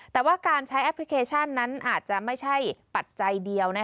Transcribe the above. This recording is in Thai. แต่ว่าการใช้แอปพลิเคชันนั้นอาจจะไม่ใช่ปัจจัยเดียว